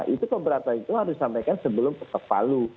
itu keberatan itu harus disampaikan sebelum kekepalu